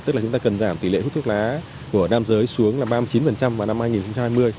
tức là chúng ta cần giảm tỷ lệ hút thuốc lá của nam giới xuống là ba mươi chín vào năm hai nghìn hai mươi